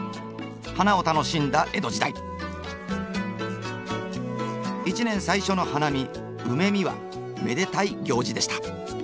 花を楽しんだ江戸時代一年最初の花見梅見はめでたい行事でした。